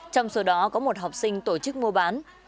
trong số đó có một học sinh tổ chức mua bán